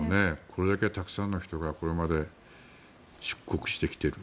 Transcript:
これだけ、たくさんの人がこれまで出国してきてる。